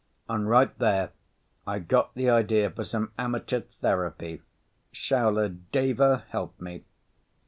And right there I got the idea for some amateur therapy, Shaula Deva help me.